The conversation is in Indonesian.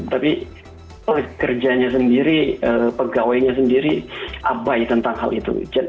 tapi pekerjanya sendiri pegawainya sendiri abai tentang hal itu